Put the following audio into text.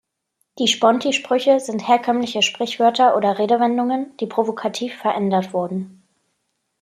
Die Sponti-Sprüche sind herkömmliche Sprichwörter oder Redewendungen, die provokativ verändert wurden.